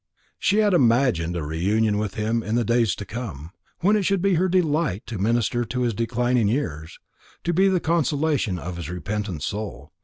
She had imagined a reunion with him in the days to come, when it should be her delight to minister to his declining years to be the consolation of his repentant soul.